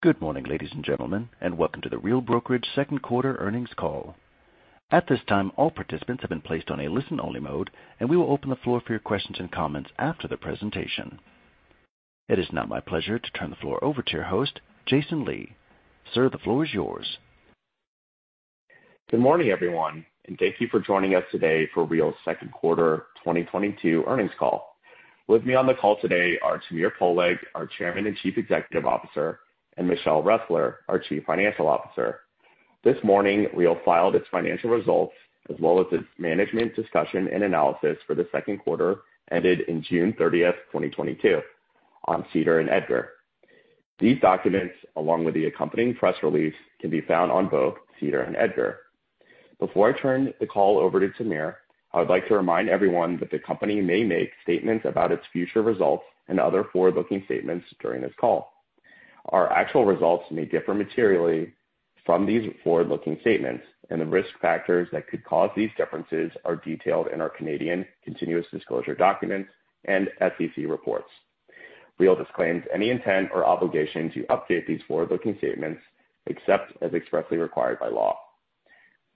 Good morning, ladies and gentlemen, and welcome to The Real Brokerage second quarter earnings call. At this time, all participants have been placed on a listen-only mode, and we will open the floor for your questions and comments after the presentation. It is now my pleasure to turn the floor over to your host, Jason Lee. Sir, the floor is yours. Good morning, everyone, and thank you for joining us today for Real's second quarter 2022 earnings call. With me on the call today are Tamir Poleg, our Chairman and Chief Executive Officer, and Michelle Ressler, our Chief Financial Officer. This morning, Real filed its financial results as well as its management discussion and analysis for the second quarter ended June 30, 2022 on SEDAR and EDGAR. These documents, along with the accompanying press release, can be found on both SEDAR and EDGAR. Before I turn the call over to Tamir, I would like to remind everyone that the company may make statements about its future results and other forward-looking statements during this call. Our actual results may differ materially from these forward-looking statements, and the risk factors that could cause these differences are detailed in our Canadian continuous disclosure documents and SEC reports. Real disclaims any intent or obligation to update these forward-looking statements except as expressly required by law.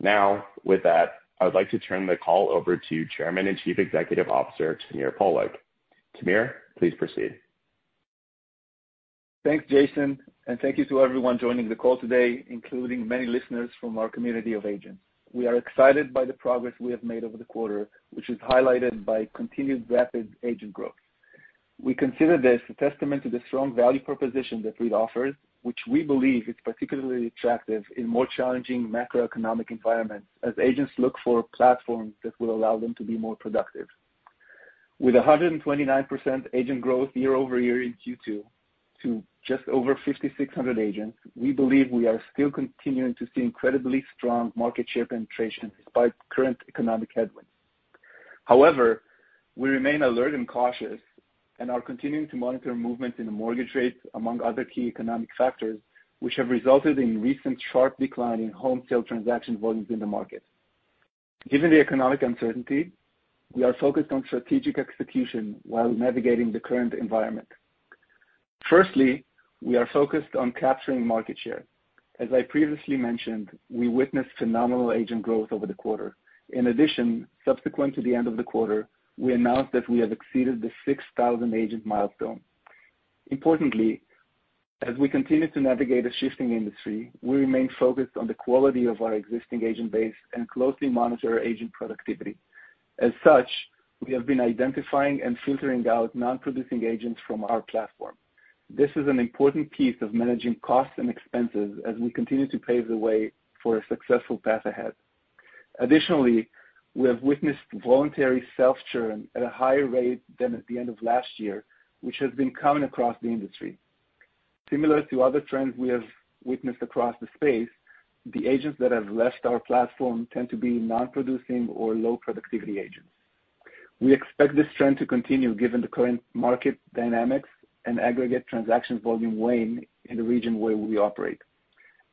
Now, with that, I would like to turn the call over to Chairman and Chief Executive Officer, Tamir Poleg. Tamir, please proceed. Thanks, Jason, and thank you to everyone joining the call today, including many listeners from our community of agents. We are excited by the progress we have made over the quarter, which is highlighted by continued rapid agent growth. We consider this a testament to the strong value proposition that Real offers, which we believe is particularly attractive in more challenging macroeconomic environments as agents look for platforms that will allow them to be more productive. With 129% agent growth year-over-year in Q2 to just over 5,600 agents, we believe we are still continuing to see incredibly strong market share penetration despite current economic headwinds. However, we remain alert and cautious and are continuing to monitor movements in the mortgage rates among other key economic factors, which have resulted in recent sharp decline in home sale transaction volumes in the market. Given the economic uncertainty, we are focused on strategic execution while navigating the current environment. Firstly, we are focused on capturing market share. As I previously mentioned, we witnessed phenomenal agent growth over the quarter. In addition, subsequent to the end of the quarter, we announced that we have exceeded the 6,000 agent milestone. Importantly, as we continue to navigate a shifting industry, we remain focused on the quality of our existing agent base and closely monitor agent productivity. As such, we have been identifying and filtering out non-producing agents from our platform. This is an important piece of managing costs and expenses as we continue to pave the way for a successful path ahead. Additionally, we have witnessed voluntary self-churn at a higher rate than at the end of last year, which has been common across the industry. Similar to other trends we have witnessed across the space, the agents that have left our platform tend to be non-producing or low productivity agents. We expect this trend to continue given the current market dynamics and aggregate transactions volume wane in the region where we operate.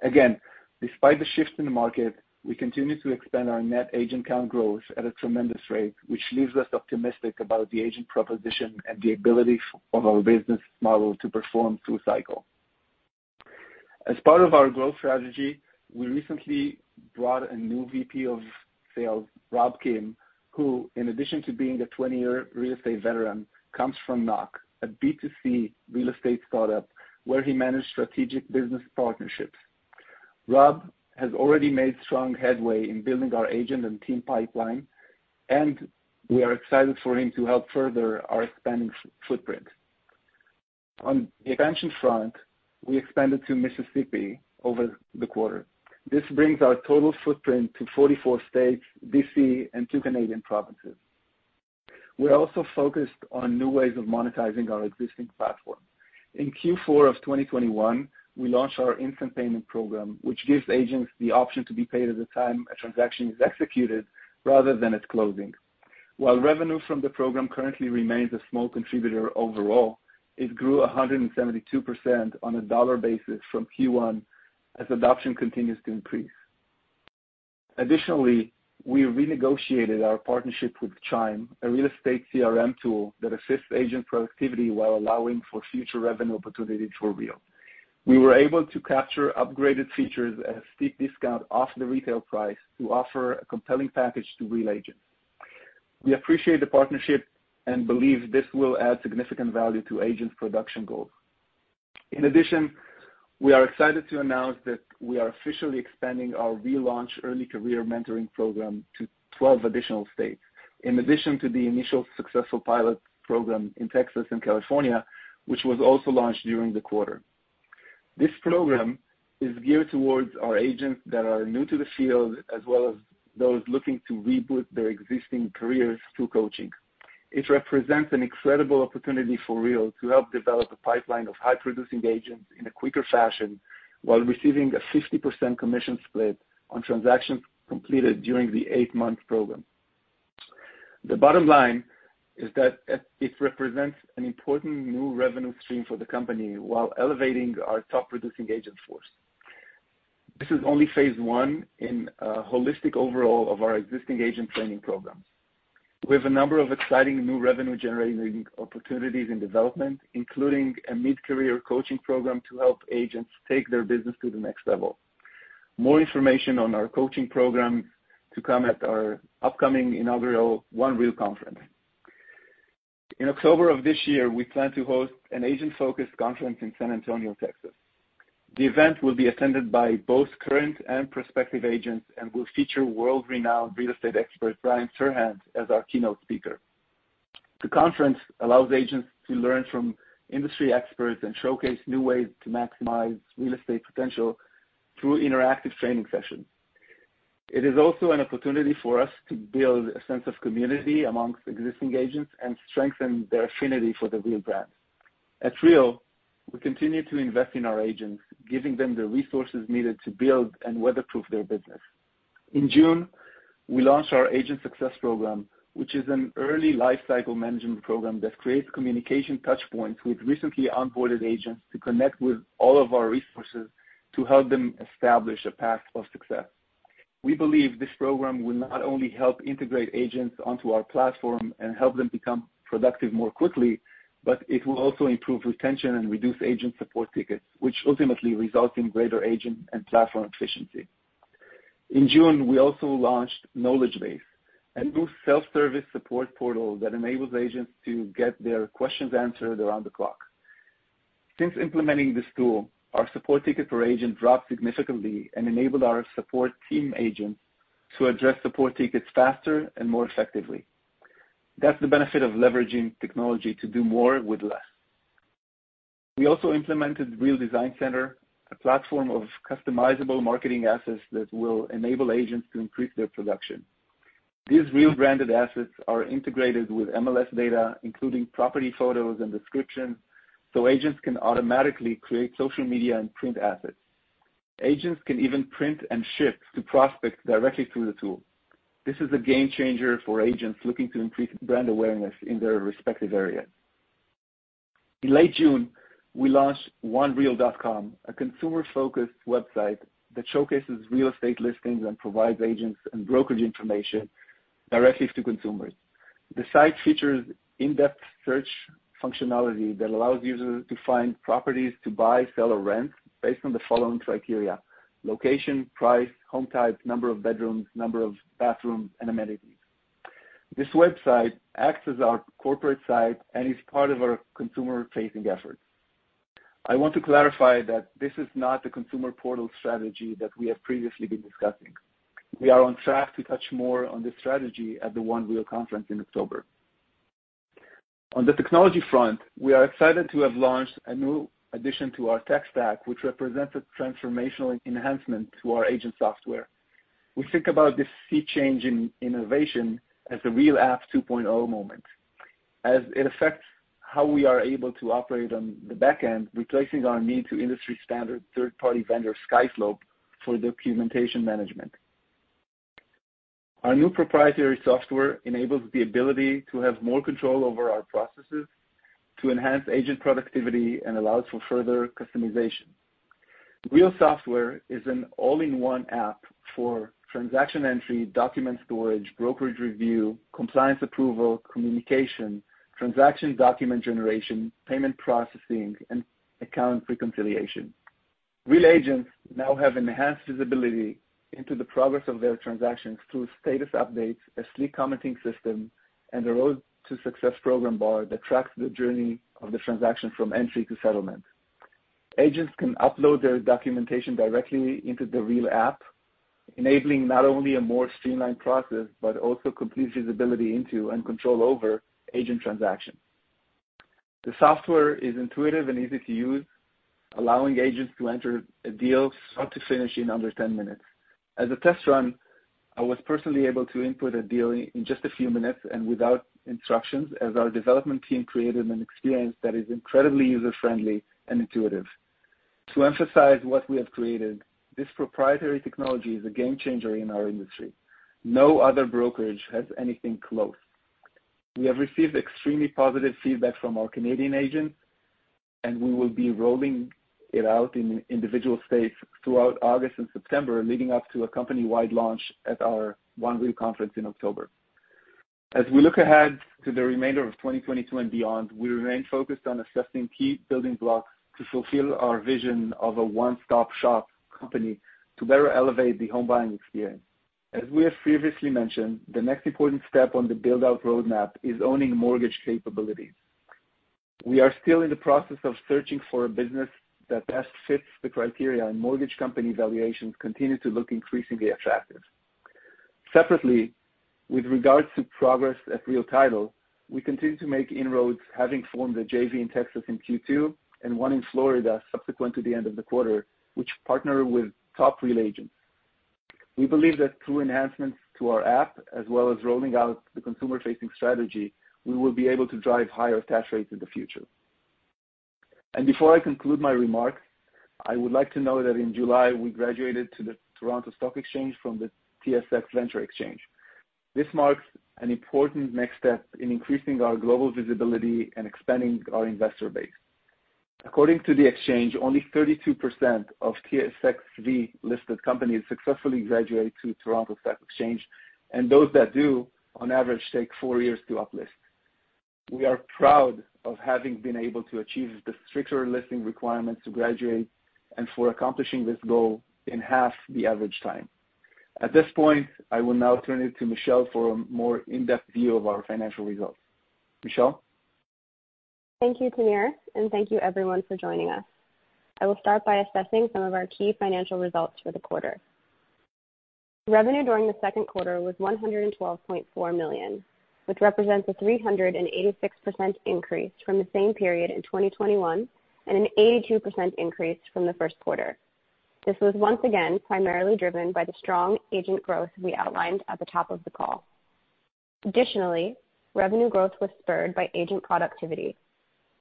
Again, despite the shifts in the market, we continue to expand our net agent count growth at a tremendous rate, which leaves us optimistic about the agent proposition and the ability of our business model to perform through cycle. As part of our growth strategy, we recently brought a new VP of Sales, Rob Kim, who in addition to being a 20-year real estate veteran, comes from Knock, a B2C real estate startup where he managed strategic business partnerships. Rob has already made strong headway in building our agent and team pipeline, and we are excited for him to help further our expanding footprint. On the expansion front, we expanded to Mississippi over the quarter. This brings our total footprint to 44 states, D.C., and two Canadian provinces. We're also focused on new ways of monetizing our existing platform. In Q4 of 2021, we launched our instant payment program, which gives agents the option to be paid at the time a transaction is executed rather than at closing. While revenue from the program currently remains a small contributor overall, it grew 172% on a dollar basis from Q1 as adoption continues to increase. Additionally, we renegotiated our partnership with Chime, a real estate CRM tool that assists agent productivity while allowing for future revenue opportunity to Real. We were able to capture upgraded features at a steep discount off the retail price to offer a compelling package to Real agents. We appreciate the partnership and believe this will add significant value to agents' production goals. In addition, we are excited to announce that we are officially expanding our Real Launch early career mentoring program to 12 additional states. In addition to the initial successful pilot program in Texas and California, which was also launched during the quarter. This program is geared towards our agents that are new to the field, as well as those looking to reboot their existing careers through coaching. It represents an incredible opportunity for Real to help develop a pipeline of high-producing agents in a quicker fashion while receiving a 50% commission split on transactions completed during the eight-month program. The bottom line is that it represents an important new revenue stream for the company while elevating our top-producing agent force. This is only phase I in a holistic overhaul of our existing agent training program. We have a number of exciting new revenue-generating opportunities in development, including a mid-career coaching program to help agents take their business to the next level. More information on our coaching program to come at our upcoming inaugural One Real conference. In October of this year, we plan to host an agent-focused conference in San Antonio, Texas. The event will be attended by both current and prospective agents and will feature world-renowned real estate expert, Ryan Serhant, as our keynote speaker. The conference allows agents to learn from industry experts and showcase new ways to maximize real estate potential through interactive training sessions. It is also an opportunity for us to build a sense of community among existing agents and strengthen their affinity for the Real brand. At Real, we continue to invest in our agents, giving them the resources needed to build and weatherproof their business. In June, we launched our Agent Success Program, which is an early lifecycle management program that creates communication touch points with recently onboarded agents to connect with all of our resources to help them establish a path of success. We believe this program will not only help integrate agents onto our platform and help them become productive more quickly, but it will also improve retention and reduce agent support tickets, which ultimately results in greater agent and platform efficiency. In June, we also launched Knowledge Base, a new self-service support portal that enables agents to get their questions answered around the clock. Since implementing this tool, our support ticket per agent dropped significantly and enabled our support team agents to address support tickets faster and more effectively. That's the benefit of leveraging technology to do more with less. We also implemented Real Design Center, a platform of customizable marketing assets that will enable agents to increase their production. These Real-branded assets are integrated with MLS data, including property photos and descriptions, so agents can automatically create social media and print assets. Agents can even print and ship to prospects directly through the tool. This is a game-changer for agents looking to increase brand awareness in their respective areas. In late June, we launched OneReal.com, a consumer-focused website that showcases real estate listings and provides agents and brokerage information directly to consumers. The site features in-depth search functionality that allows users to find properties to buy, sell, or rent based on the following criteria, location, price, home type, number of bedrooms, number of bathrooms, and amenities. This website acts as our corporate site and is part of our consumer-facing efforts. I want to clarify that this is not the consumer portal strategy that we have previously been discussing. We are on track to touch more on this strategy at the One Real conference in October. On the technology front, we are excited to have launched a new addition to our tech stack, which represents a transformational enhancement to our agent software. We think about this sea change in innovation as the Real App 2.0 moment, as it affects how we are able to operate on the back end, replacing our need to industry-standard third-party vendor SkySlope for documentation management. Our new proprietary software enables the ability to have more control over our processes to enhance agent productivity and allows for further customization. Real software is an all-in-one app for transaction entry, document storage, brokerage review, compliance approval, communication, transaction document generation, payment processing, and account reconciliation. Real agents now have enhanced visibility into the progress of their transactions through status updates, a sleek commenting system, and a road to success program bar that tracks the journey of the transaction from entry to settlement. Agents can upload their documentation directly into the Real App, enabling not only a more streamlined process, but also complete visibility into and control over agent transactions. The software is intuitive and easy to use, allowing agents to enter a deal start to finish in under 10 minutes. As a test run, I was personally able to input a deal in just a few minutes and without instructions, as our development team created an experience that is incredibly user-friendly and intuitive. To emphasize what we have created, this proprietary technology is a game-changer in our industry. No other brokerage has anything close. We have received extremely positive feedback from our Canadian agents, and we will be rolling it out in individual states throughout August and September, leading up to a company-wide launch at our One Real conference in October. As we look ahead to the remainder of 2022 and beyond, we remain focused on assessing key building blocks to fulfill our vision of a one-stop-shop company to better elevate the home buying experience. As we have previously mentioned, the next important step on the build-out roadmap is owning mortgage capabilities. We are still in the process of searching for a business that best fits the criteria, and mortgage company valuations continue to look increasingly attractive. Separately, with regards to progress at Real Title, we continue to make inroads, having formed a JV in Texas in Q2 and one in Florida subsequent to the end of the quarter, which partner with top Real agents. We believe that through enhancements to our app as well as rolling out the consumer-facing strategy, we will be able to drive higher attach rates in the future. Before I conclude my remarks, I would like to note that in July, we graduated to the Toronto Stock Exchange from the TSX Venture Exchange. This marks an important next step in increasing our global visibility and expanding our investor base. According to the exchange, only 32% of TSXV-listed companies successfully graduate to Toronto Stock Exchange, and those that do on average take four years to uplist. We are proud of having been able to achieve the stricter listing requirements to graduate and for accomplishing this goal in half the average time. At this point, I will now turn it to Michelle for a more in-depth view of our financial results. Michelle? Thank you, Tamir, and thank you everyone for joining us. I will start by assessing some of our key financial results for the quarter. Revenue during the second quarter was $112.4 million, which represents a 386% increase from the same period in 2021 and an 82% increase from the first quarter. This was once again primarily driven by the strong agent growth we outlined at the top of the call. Additionally, revenue growth was spurred by agent productivity.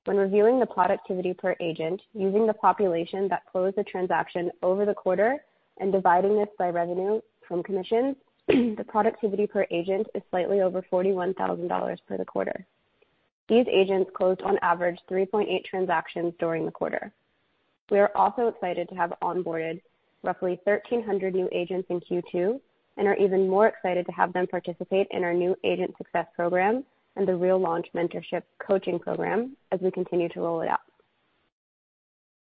When reviewing the productivity per agent, using the population that closed the transaction over the quarter and dividing this by revenue from commissions, the productivity per agent is slightly over $41,000 for the quarter. These agents closed on average 3.8 transactions during the quarter. We are also excited to have onboarded roughly 1,300 new agents in Q2 and are even more excited to have them participate in our new Agent Success Program and the Real Launch Mentorship coaching program as we continue to roll it out.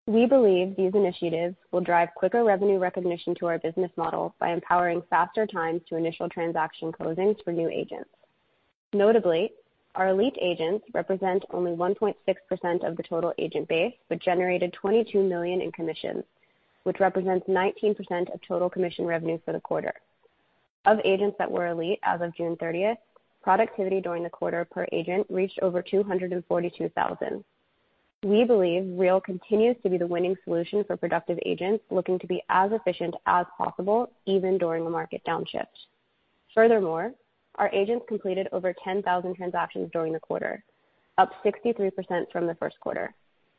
We believe these initiatives will drive quicker revenue recognition to our business model by empowering faster times to initial transaction closings for new agents. Notably, our elite agents represent only 1.6% of the total agent base, but generated $22 million in commissions, which represents 19% of total commission revenue for the quarter. Of agents that were elite as of June 30th, productivity during the quarter per agent reached over 242,000. We believe Real continues to be the winning solution for productive agents looking to be as efficient as possible even during the market downshift. Furthermore, our agents completed over 10,000 transactions during the quarter, up 63% from the first quarter.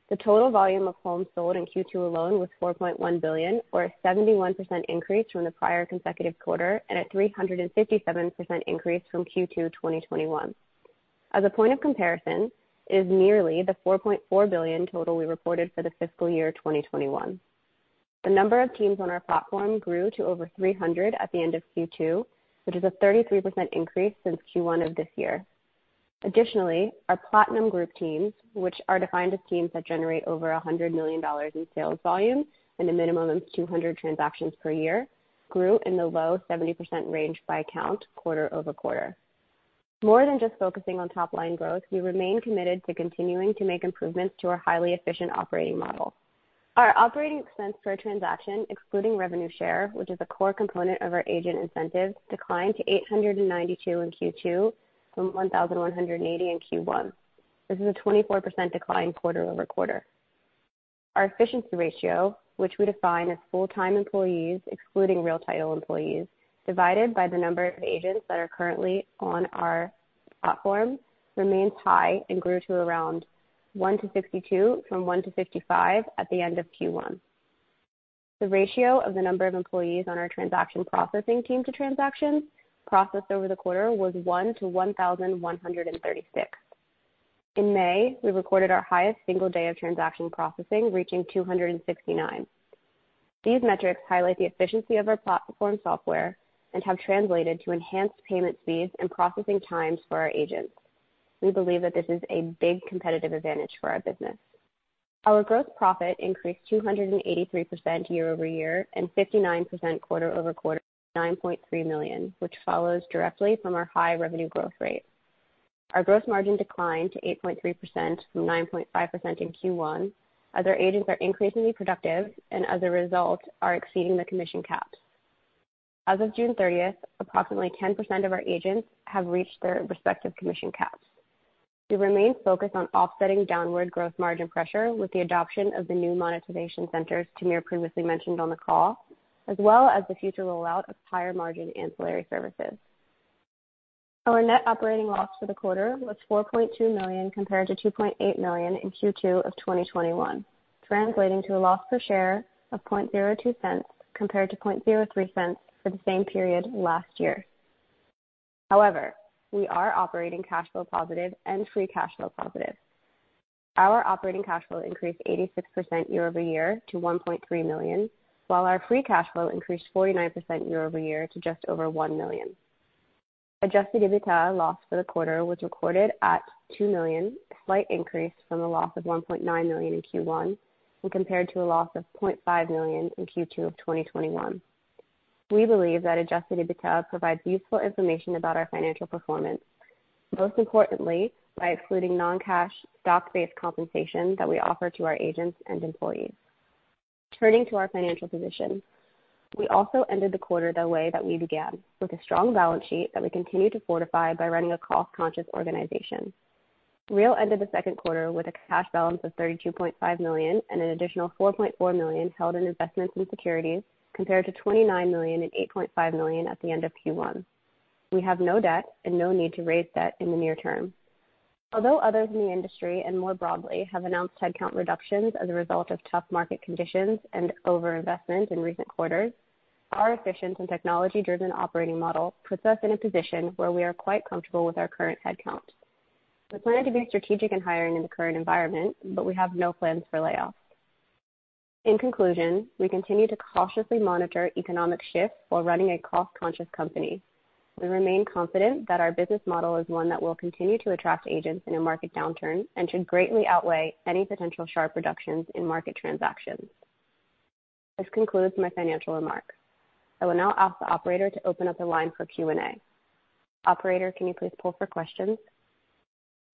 The total volume of homes sold in Q2 alone was $4.1 billion, or a 71% increase from the prior consecutive quarter and a 357% increase from Q2 2021. As a point of comparison, it is nearly the $4.4 billion total we reported for the fiscal year 2021. The number of teams on our platform grew to over 300 at the end of Q2, which is a 33% increase since Q1 of this year. Additionally, our platinum group teams, which are defined as teams that generate over $100 million in sales volume and a minimum of 200 transactions per year, grew in the low 70% range by count quarter over quarter. More than just focusing on top line growth, we remain committed to continuing to make improvements to our highly efficient operating model. Our operating expense per transaction, excluding revenue share, which is a core component of our agent incentives, declined to $892 in Q2 from $1,180 in Q1. This is a 24% decline quarter-over-quarter. Our efficiency ratio, which we define as full-time employees, excluding Real Title employees, divided by the number of agents that are currently on our platform, remains high and grew to around 1:62 from 1:55 at the end of Q1. The ratio of the number of employees on our transaction processing team to transactions processed over the quarter was 1:1,136. In May, we recorded our highest single day of transaction processing, reaching 269. These metrics highlight the efficiency of our platform software and have translated to enhanced payment speeds and processing times for our agents. We believe that this is a big competitive advantage for our business. Our gross profit increased 283% year-over-year and 59% quarter-over-quarter to $9.3 million, which follows directly from our high revenue growth rate. Our gross margin declined to 8.3% from 9.5% in Q1 as our agents are increasingly productive and as a result are exceeding the commission caps. As of June 30th approximately 10% of our agents have reached their respective commission caps. We remain focused on offsetting downward growth margin pressure with the adoption of the new monetization centers Tamir previously mentioned on the call, as well as the future rollout of higher margin ancillary services. Our net operating loss for the quarter was $4.2 million compared to $2.8 million in Q2 of 2021, translating to a loss per share of $0.02 compared to $0.03 for the same period last year. However, we are operating cash flow positive and free cash flow positive. Our operating cash flow increased 86% year-over-year to $1.3 million, while our free cash flow increased 49% year-over-year to just over $1 million. Adjusted EBITDA loss for the quarter was recorded at $2 million, a slight increase from a loss of $1.9 million in Q1 and compared to a loss of $0.5 million in Q2 of 2021. We believe that adjusted EBITDA provides useful information about our financial performance, most importantly by excluding non-cash stock-based compensation that we offer to our agents and employees. Turning to our financial position, we also ended the quarter the way that we began with a strong balance sheet that we continue to fortify by running a cost-conscious organization. Real ended the second quarter with a cash balance of $32.5 million and an additional $4.4 million held in investments and securities compared to $29 million and $8.5 million at the end of Q1. We have no debt and no need to raise debt in the near term. Although others in the industry and more broadly have announced headcount reductions as a result of tough market conditions and over-investment in recent quarters, our efficient and technology-driven operating model puts us in a position where we are quite comfortable with our current headcount. We plan to be strategic in hiring in the current environment, but we have no plans for layoffs. In conclusion, we continue to cautiously monitor economic shifts while running a cost-conscious company. We remain confident that our business model is one that will continue to attract agents in a market downturn and should greatly outweigh any potential sharp reductions in market transactions. This concludes my financial remarks. I will now ask the operator to open up the line for Q&A. Operator, can you please poll for questions?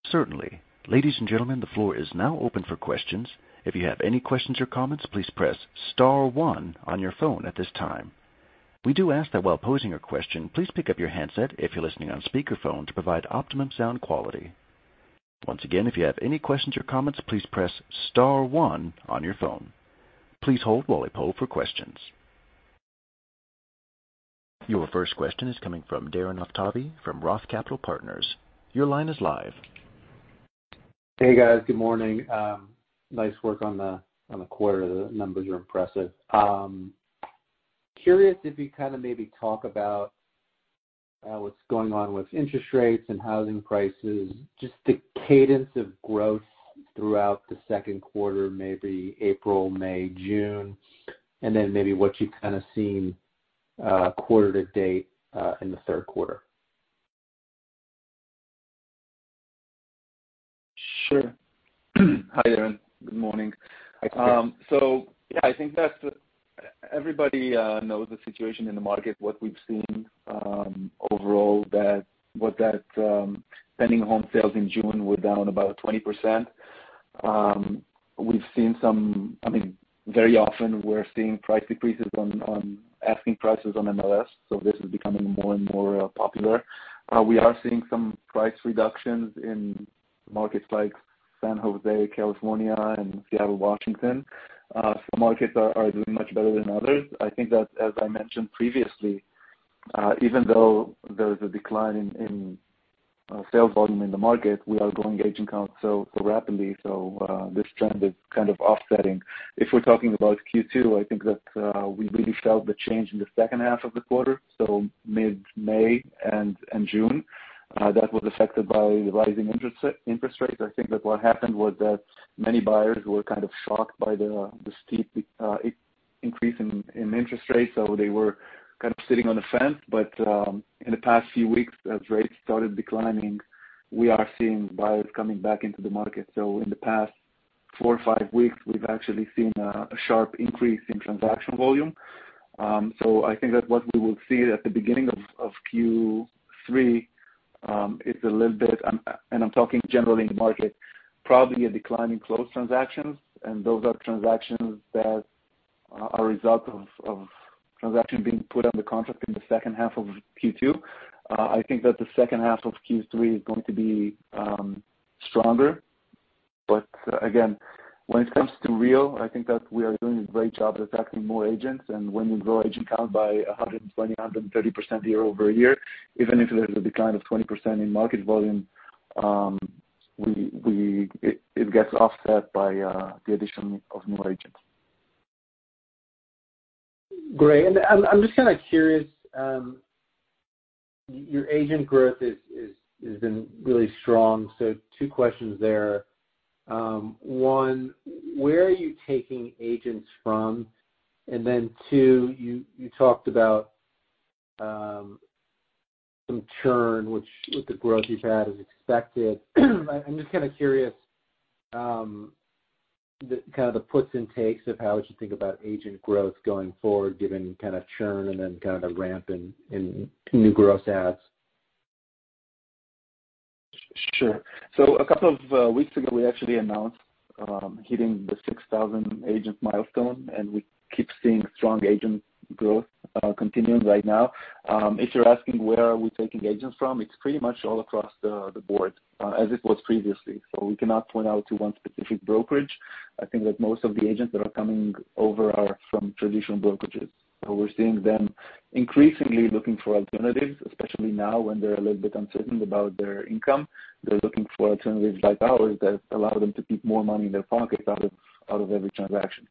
Certainly. Ladies and gentlemen, the floor is now open for questions. If you have any questions or comments, please press star one on your phone at this time. We do ask that while posing your question, please pick up your handset if you're listening on speakerphone to provide optimum sound quality. Once again, if you have any questions or comments, please press star one on your phone. Please hold while we poll for questions. Your first question is coming from Darren Aftahi from Roth Capital Partners. Your line is live. Hey, guys. Good morning. Nice work on the quarter. The numbers are impressive. Curious if you kind of maybe talk about what's going on with interest rates and housing prices, just the cadence of growth throughout the second quarter, maybe April, May, June, and then maybe what you've kind of seen quarter to date in the third quarter? Sure. Hi, Darren. Good morning. Hi. Yeah, I think everybody knows the situation in the market, what we've seen overall, that pending home sales in June were down about 20%. I mean, very often we're seeing price decreases on asking prices on MLS, so this is becoming more and more popular. We are seeing some price reductions in markets like San Jose, California and Seattle, Washington. Some markets are doing much better than others. I think that, as I mentioned previously, even though there is a decline in sales volume in the market, we are growing agent count so rapidly. This trend is kind of offsetting. If we're talking about Q2, I think that we really felt the change in the second half of the quarter, so mid-May and June. That was affected by the rising interest rates. I think that what happened was that many buyers were kind of shocked by the steep increase in interest rates, so they were kind of sitting on the fence. In the past few weeks, as rates started declining, we are seeing buyers coming back into the market. In the past four or five weeks, we've actually seen a sharp increase in transaction volume. I think that what we will see at the beginning of Q3 is a little bit, and I'm talking generally in the market, probably a decline in closed transactions, and those are transactions that are a result of transactions being put under contract in the second half of Q2. I think that the second half of Q3 is going to be stronger. Again, when it comes to Real, I think that we are doing a great job attracting more agents. When we grow agent count by 120%-130% year-over-year, even if there's a decline of 20% in market volume, it gets offset by the addition of more agents. Great. I'm just kinda curious, your agent growth has been really strong. Two questions there. One, where are you taking agents from? Then two, you talked about some churn, which with the growth you've had is expected. I'm just kinda curious, kind of the puts and takes of how would you think about agent growth going forward, given kind of churn and then kind of the ramp in new gross adds? Sure. A couple of weeks ago, we actually announced hitting the 6,000 agent milestone, and we keep seeing strong agent growth continuing right now. If you're asking where are we taking agents from, it's pretty much all across the board, as it was previously. We cannot point out to one specific brokerage. I think that most of the agents that are coming over are from traditional brokerages. We're seeing them increasingly looking for alternatives, especially now when they're a little bit uncertain about their income. They're looking for alternatives like ours that allow them to keep more money in their pockets out of every transaction.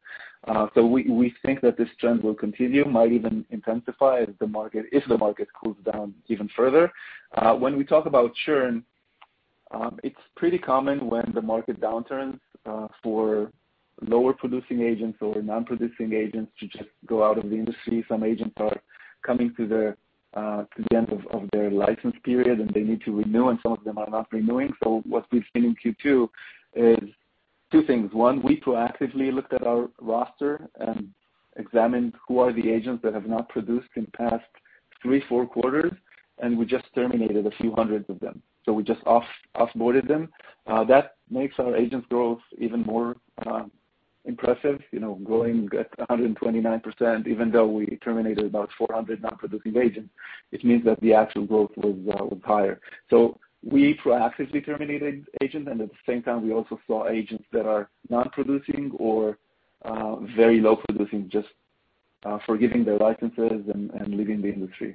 We think that this trend will continue, might even intensify if the market cools down even further. When we talk about churn, it's pretty common when the market downturns for lower producing agents or non-producing agents to just go out of the industry. Some agents are coming to the end of their license period and they need to renew, and some of them are not renewing. What we've seen in Q2 is two things. One, we proactively looked at our roster and examined who are the agents that have not produced in past three, four quarters, and we just terminated a few hundred of them. We just off-boarded them. That makes our agents' growth even more impressive, you know, growing at 129%, even though we terminated about 400 non-producing agents, which means that the actual growth was higher. We proactively terminated agents, and at the same time, we also saw agents that are non-producing or very low producing just forgoing their licenses and leaving the industry.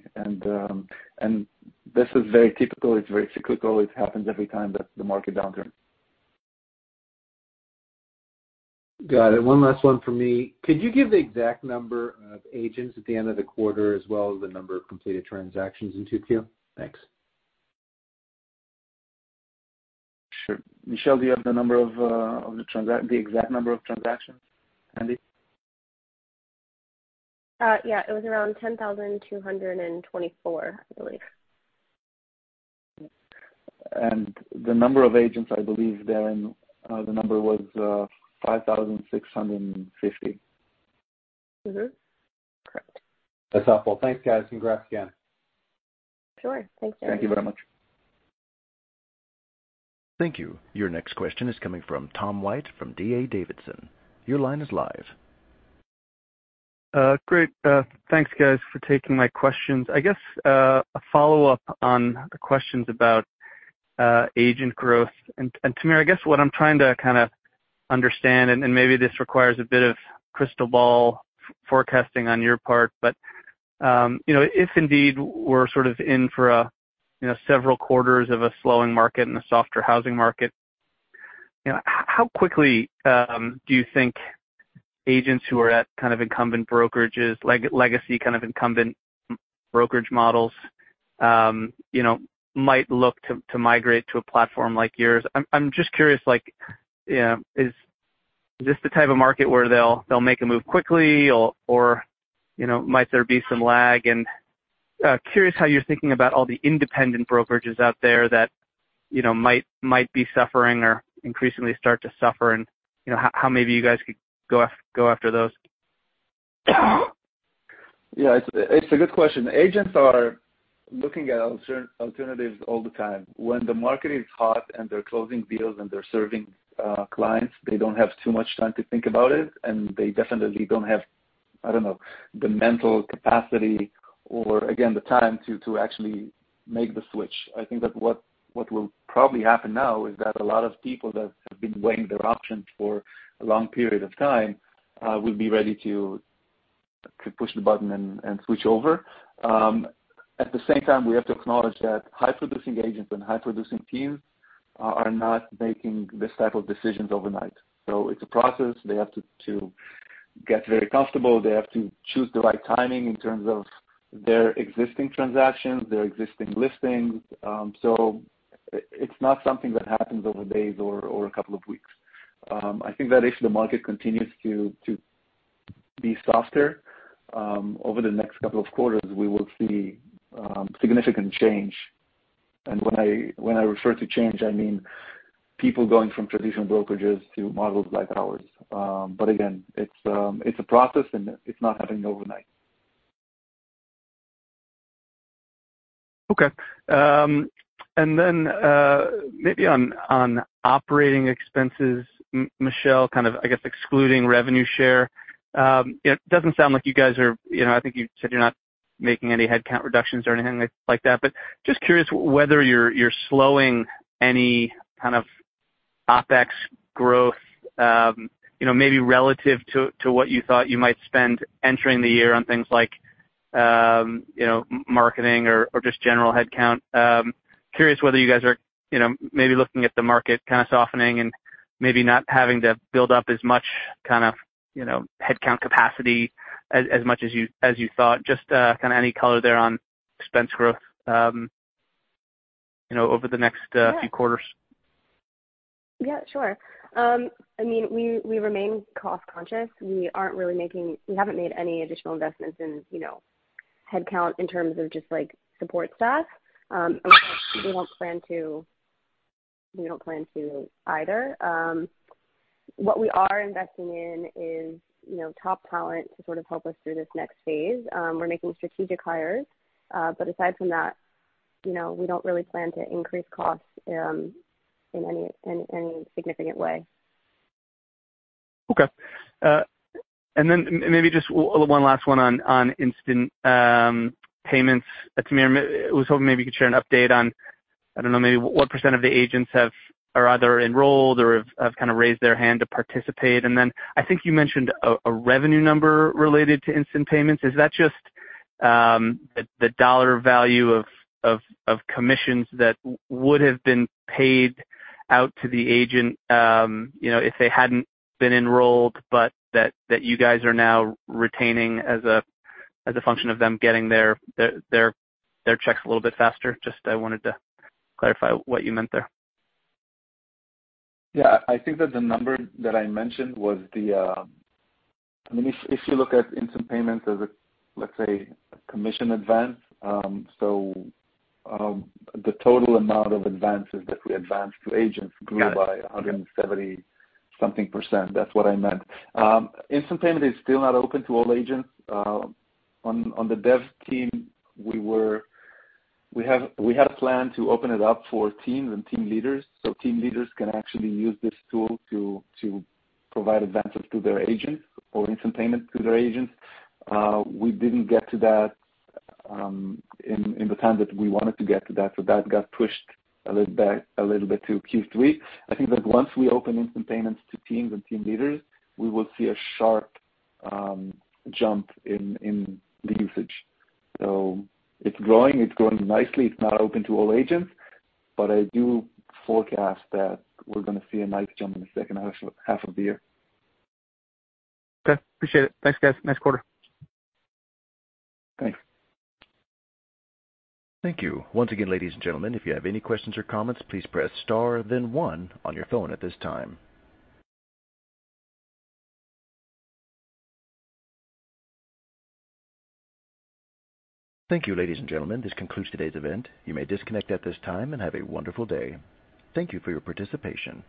This is very typical. It's very cyclical. It happens every time that the market downturn. Got it. One last one for me. Could you give the exact number of agents at the end of the quarter as well as the number of completed transactions in Q2? Thanks. Sure. Michelle, do you have the number of the exact number of transactions handy? Yeah, it was around 10,224, I believe. The number of agents, I believe then, the number was 5,650. Correct. That's helpful. Thanks, guys. Congrats again. Sure. Thanks. Thank you very much. Thank you. Your next question is coming from Tom White from D.A. Davidson. Your line is live. Great. Thanks, guys, for taking my questions. I guess a follow-up on the questions about agent growth. Tamir, I guess what I'm trying to kinda understand, and maybe this requires a bit of crystal ball forecasting on your part, but you know, if indeed we're sort of in for a you know, several quarters of a slowing market and a softer housing market, you know, how quickly do you think agents who are at kind of incumbent brokerages, legacy kind of incumbent brokerage models, you know, might look to migrate to a platform like yours? I'm just curious, like, you know, is this the type of market where they'll make a move quickly or you know, might there be some lag? Curious how you're thinking about all the independent brokerages out there that, you know, might be suffering or increasingly start to suffer and, you know, how maybe you guys could go after those? Yeah. It's a good question. Agents are looking at alternatives all the time. When the market is hot and they're closing deals and they're serving clients, they don't have too much time to think about it, and they definitely don't have, I don't know, the mental capacity or again, the time to actually make the switch. I think that what will probably happen now is that a lot of people that have been weighing their options for a long period of time will be ready to push the button and switch over. At the same time, we have to acknowledge that high-producing agents and high-producing teams are not making this type of decisions overnight. It's a process. They have to get very comfortable. They have to choose the right timing in terms of their existing transactions, their existing listings. It's not something that happens over days or a couple of weeks. I think that if the market continues to be softer over the next couple of quarters, we will see significant change. When I refer to change, I mean people going from traditional brokerages to models like ours. Again, it's a process and it's not happening overnight. Okay. Maybe on operating expenses, Michelle, kind of, I guess, excluding revenue share. It doesn't sound like you guys are, you know, I think you said you're not making any headcount reductions or anything like that, but just curious whether you're slowing any kind of OpEx growth, you know, maybe relative to what you thought you might spend entering the year on things like, you know, marketing or just general headcount. Curious whether you guys are, you know, maybe looking at the market kinda softening and maybe not having to build up as much kinda, you know, headcount capacity as much as you thought. Just kinda any color there on expense growth, you know, over the next few quarters? Yeah, sure. I mean, we remain cost-conscious. We haven't made any additional investments in, you know, headcount in terms of just like support staff. We don't plan to either. What we are investing in is, you know, top talent to sort of help us through this next phase. We're making strategic hires. Aside from that, you know, we don't really plan to increase costs in any significant way. Okay. Maybe just one last one on instant payments. Tamir, was hoping maybe you could share an update on, I don't know, maybe what percent of the agents are either enrolled or have kinda raised their hand to participate. I think you mentioned a revenue number related to instant payments. Is that just the dollar value of commissions that would have been paid out to the agent, you know, if they hadn't been enrolled, but that you guys are now retaining as a function of them getting their checks a little bit faster? Just, I wanted to clarify what you meant there? Yeah. I think that the number that I mentioned was. I mean, if you look at instant payments as a, let's say, a commission advance, the total amount of advances that we advanced to agents grew by 170-something percent. That's what I meant. Instant payment is still not open to all agents. On the dev team, we had a plan to open it up for teams and team leaders, so team leaders can actually use this tool to provide advances to their agents or instant payments to their agents. We didn't get to that in the time that we wanted to get to that, so that got pushed a little bit to Q3. I think that once we open instant payments to teams and team leaders, we will see a sharp jump in the usage. It's growing nicely. It's not open to all agents, but I do forecast that we're gonna see a nice jump in the second half of the year. Okay, appreciate it. Thanks, guys. Nice quarter. Thanks. Thank you. Once again, ladies and gentlemen, if you have any questions or comments, please press star then one on your phone at this time. Thank you, ladies and gentlemen. This concludes today's event. You may disconnect at this time, and have a wonderful day. Thank you for your participation.